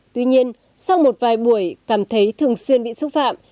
tuy nhiên sau một vài buổi cảm thấy thường xuyên bị xúc phạm